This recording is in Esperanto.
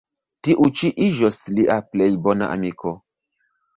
Tiu ĉi iĝos lia plej bona amiko.